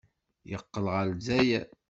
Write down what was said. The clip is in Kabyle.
Yeqqel ɣer Lezzayer.